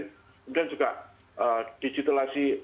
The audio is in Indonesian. kemudian juga digitalasi